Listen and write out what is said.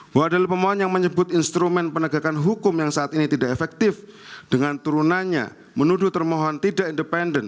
bahwa adalah pemohon yang menyebut instrumen penegakan hukum yang saat ini tidak efektif dengan turunannya menuduh termohon tidak independen